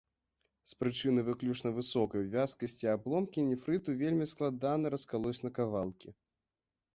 З прычыны выключна высокай вязкасці абломкі нефрыту вельмі складана раскалоць на кавалкі.